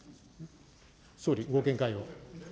総理、ご見解を。